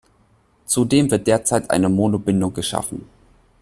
Zudem wird derzeit eine Mono-Bindung geschaffen.